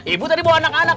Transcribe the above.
ibu tadi bawa anak anak